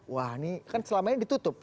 wah ini kan selamanya ditutup